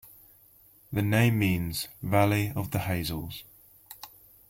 The name means 'valley of the hazels'.